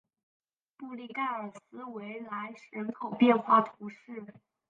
布利盖尔斯维莱人口变化图示